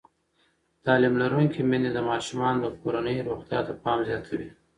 تعلیم لرونکې میندې د ماشومانو د کورنۍ روغتیا ته پام زیاتوي.